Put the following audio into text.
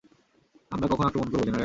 আমরা কখন আক্রমণ করব, জেনারেল?